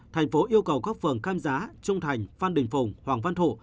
thành phố yêu cầu các phường cam giá trung thành phan đình phùng hoàng văn thụ